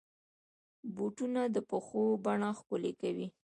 بوټونه د پښو بڼه ښکلي کوي.